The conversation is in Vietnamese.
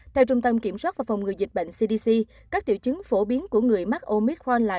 theo trung tâm kiểm soát và phòng ngừa dịch bệnh cdc các triệu chứng phổ biến của người mắc omit frene